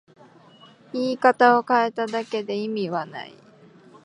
言い方を変えただけで意味はない